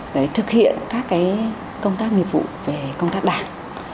để thực hiện các công tác nghiệp vụ về công tác đảng